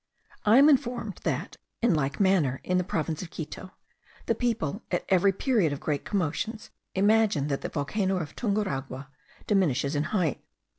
I am informed that, in like manner, in the province of Quito, the people, at every period of great commotions, imagine that the volcano of Tunguragua diminishes in height.